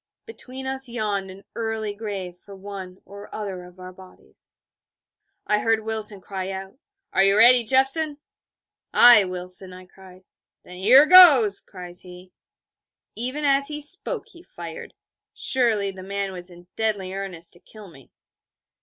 Between us yawned an early grave for one or other of our bodies. I heard Wilson cry out: 'Are you ready, Jeffson?' 'Aye, Wilson!' cried I. 'Then here goes!' cries he. Even as he spoke, he fired. Surely, the man was in deadly earnest to kill me.